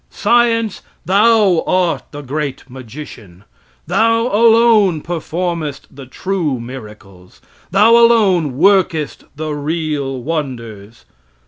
Science, thou art the great magician! Thou alone performest the true miracles. Thou alone workest the real wonders.